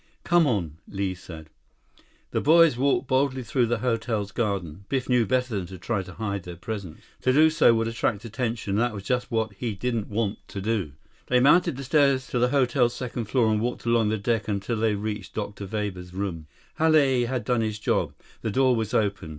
Come on," Li said. The boys walked boldly through the hotel's garden. Biff knew better than to try to hide their presence. To do so would attract attention, and that was just what he didn't want to do. 39 They mounted the stairs to the hotel's second floor, and walked along the deck until they reached Dr. Weber's room. Hale had done his job. The door was open.